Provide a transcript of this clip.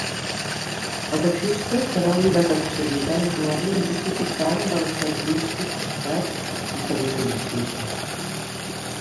El taxista estarà obligat a facilitar a l'usuari un justificant del servici prestat si se li sol·licita.